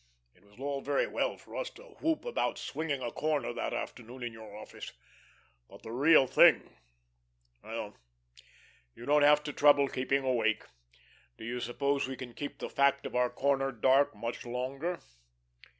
It was all very well for us to whoop about swinging a corner that afternoon in your office. But the real thing well, you don't have any trouble keeping awake. Do you suppose we can keep the fact of our corner dark much longer?"